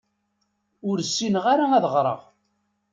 Ur ssineɣ ara ad ɣṛeɣ.